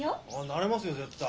なれますよ絶対。